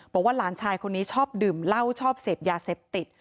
บอกว่าหลานชายคนนี้ชอบดื่มเหล้าชอบเสพยาเสพติด